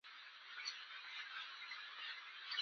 څیله د دوبي مسته شوې په اور لوبې کوي